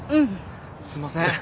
すんません。